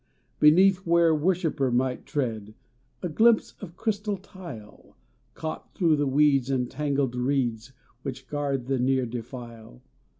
Beneath, where worshiper might tread A glimpse of crystal tile, Caught through the weeds and tangled reeds Which guard the near defile.